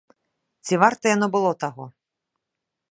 Ці варта яно было таго?